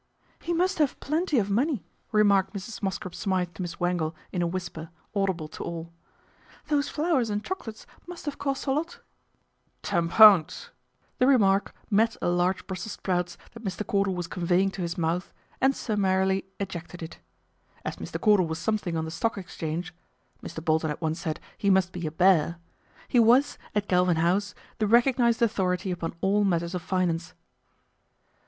"He must have plenty of money," remarked Mrs. Mosscrop Smythe to Miss Wangle in a whisper, audible to all. "Those flowers and chocolates must have cost a lot." 62 PATRICIA BRENT, SPINSTER " Ten pounds." The remark met a large Brussels sprout that Mr. Cordal was conveying to his mouth and summarily ejected it. As Mr. Cordal was something on the Stock Exchange (Mr. Bolton had once said he must be a " bear ") he was, at Galvin House, the recog nised authority upon all matters of finance.